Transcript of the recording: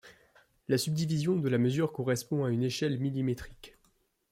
La subdivision de la mesure correspond à une échelle millimétrique.